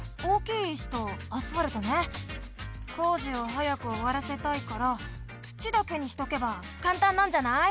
こうじをはやくおわらせたいから土だけにしとけばかんたんなんじゃない？